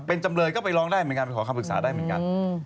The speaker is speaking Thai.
เป็นจำเลยก็ไปร้องได้เหมือนกันไปขอคำปรึกษาได้เหมือนกัน